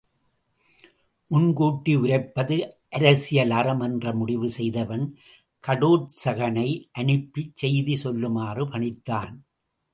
முன்கூட்டி உரைப்பது அரசியல் அறம் என்றுமுடிவு செய்தவன் கடோற்சகனை அனுப்பிச் செய்தி சொல்லுமாறு பணித்தான்.